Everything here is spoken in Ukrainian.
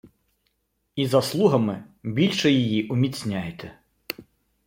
І заслугами більше її уміцняйте.